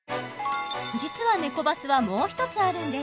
実はネコバスはもう一つあるんです